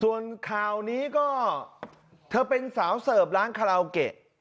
ส่วนข่าวนี้ก็เธอเป็นสาวเสิร์ฟร้านคาราโอเกะ